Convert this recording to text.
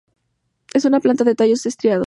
Es una planta de tallos estriados.